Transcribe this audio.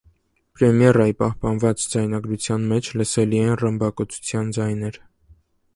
Պրեմիերայի պահպանված ձայնագրության մեջ լսելի են ռմբակոծության ձայներ։